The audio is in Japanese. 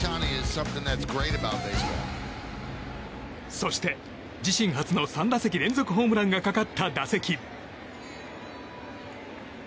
そして、自身初の３打席連続ホームランがかかった打席。